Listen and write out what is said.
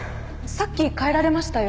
さっき帰られましたよ